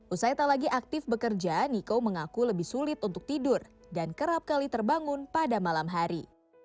usai tak lagi aktif bekerja niko mengaku lebih sulit untuk tidur dan kerap kali terbangun pada malam hari